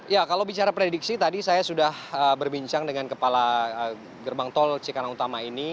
ya kalau bicara prediksi tadi saya sudah berbincang dengan kepala gerbang tol cikarang utama ini